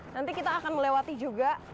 nanti kita akan melewati juga